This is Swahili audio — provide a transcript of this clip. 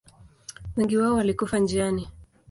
Wengi wao walikufa njiani.